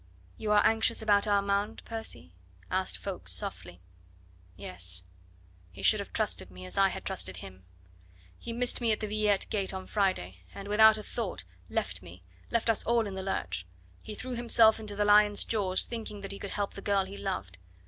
"You are anxious about Armand, Percy?" asked Ffoulkes softly. "Yes. He should have trusted me, as I had trusted him. He missed me at the Villette gate on Friday, and without a thought left me left us all in the lurch; he threw himself into the lion's jaws, thinking that he could help the girl he loved.